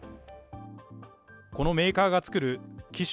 このメーカーが造る貴州